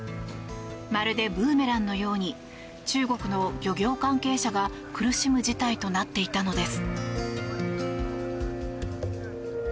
まるで、ブーメランのように中国の漁業関係者が苦しむ事態となっていたのです。